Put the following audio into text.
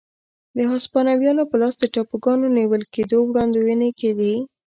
د هسپانویانو په لاس د ټاپوګانو نیول کېدو وړاندوېنې کېدې.